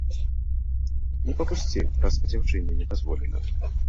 Не папусці, раз дзяўчыне не дазволена.